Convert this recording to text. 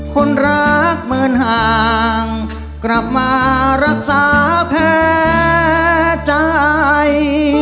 คนรักเหมือนห่างกลับมารักษาแพ้ใจ